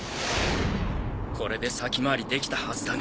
これで先回りできたはずだが。